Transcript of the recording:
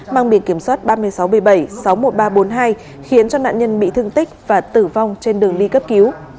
mang biển kiểm soát ba mươi sáu b bảy sáu mươi một nghìn ba trăm bốn mươi hai khiến cho nạn nhân bị thương tích và tử vong trên đường đi cấp cứu